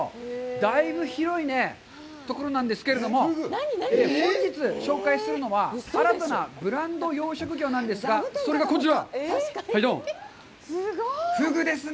だいぶ広いところなんですけれども、本日紹介するのは、新たなブランド養殖魚なんですが、それがこちら。